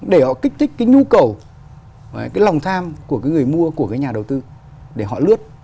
để họ kích thích cái nhu cầu cái lòng tham của cái người mua của cái nhà đầu tư để họ lướt